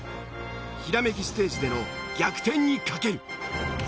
ひらめきステージでの逆転にかける。